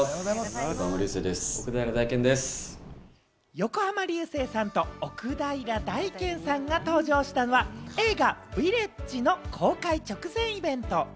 横浜流星さんと奥平大兼さんが登場したのは、映画『ヴィレッジ』の公開直前イベント。